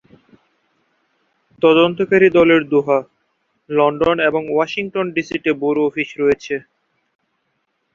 তদন্তকারী দলের Doha, London এবং ওয়াশিংটন ডিসিতে ব্যুরো অফিস রয়েছে।